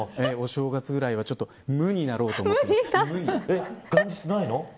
お正月ぐらいは無になろうと思ってます。